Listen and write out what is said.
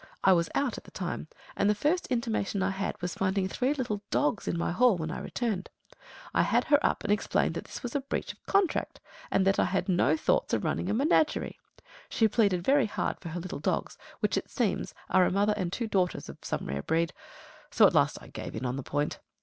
I was out at the time, and the first intimation I had was finding three little dogs in my hall when I returned. I had her up, and explained that this was a breach of contract, and that I had no thoughts of running a menagerie. She pleaded very hard for her little dogs, which it seems are a mother and two daughters of some rare breed; so I at last gave in on the point.